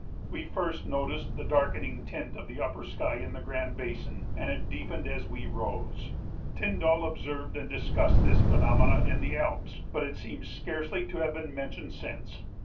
We first noticed the darkening tint of the upper sky in the Grand Basin, and it deepened as we rose. Tyndall observed and discussed this phenomenon in the Alps, but it seems scarcely to have been mentioned since.